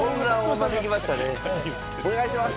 お願いします！